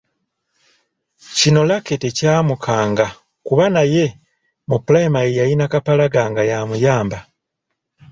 Kino Lucky tekyamukanga kuba naye mu pulayimale yalina Kapalaga nga y’amuyamba.